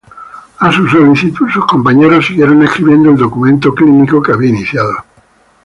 A su solicitud, sus compañeros siguieron escribiendo el documento clínico que había iniciado.